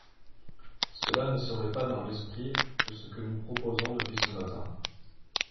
Cela ne serait pas dans l’esprit de ce que nous proposons depuis ce matin.